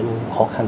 nó khó khăn